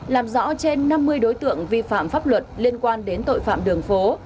làm rõ trên năm mươi đối tượng vi phạm pháp luật liên quan đến tội phạm đường phố